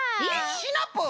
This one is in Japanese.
シナプーも！？